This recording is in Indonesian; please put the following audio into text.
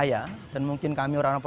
tidak menyata kelebihan